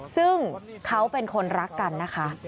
ซึ่งเขาเป็นคนรักกันนะคะ